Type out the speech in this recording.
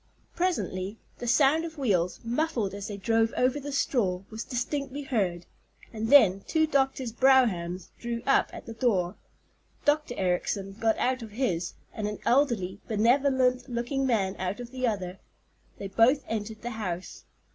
Presently the sound of wheels, muffled as they drove over the straw, was distinctly heard, and then two doctors' broughams drew up at the door. Dr. Ericson got out of his and an elderly, benevolent looking man out of the other. They both entered the house.